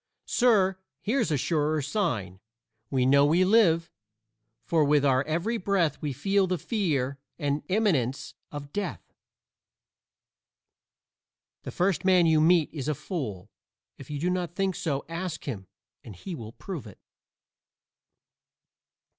Sir, here's a surer sign: We know we live, for with our every breath we feel the fear and imminence of death. The first man you meet is a fool. If you do not think so ask him and he will prove it.